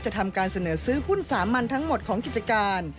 ทำการเสนอซื้อหุ้นสามัญทั้งหมดของกิจการ